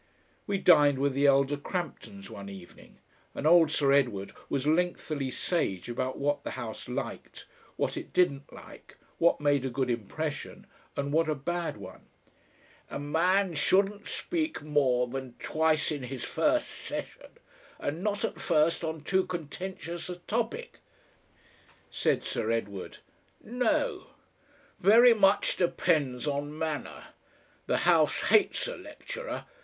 We dined with the elder Cramptons one evening, and old Sir Edward was lengthily sage about what the House liked, what it didn't like, what made a good impression and what a bad one. "A man shouldn't speak more than twice in his first session, and not at first on too contentious a topic," said Sir Edward. "No." "Very much depends on manner. The House hates a lecturer.